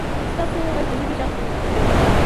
ستاسو غږ د ژبې غږ لویوي.